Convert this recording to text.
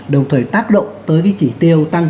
đồng thời tác động tới chỉ tiêu tăng